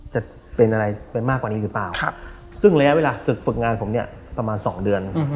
จะเป็นอะไรไปมากกว่านี้หรือเปล่าซึ่งระยะเวลาฝึกฝึกงานผมเนี่ยประมาณ๒เดือน